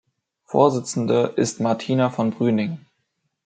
Vorsitzende ist Martina von Brüning.